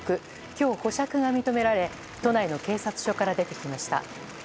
今日、保釈が認められ都内の警察署から出てきました。